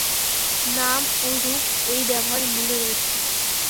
নাম ও রূপ এই ব্যবহারের মূলে রয়েছে।